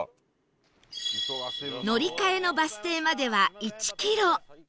乗り換えのバス停までは１キロ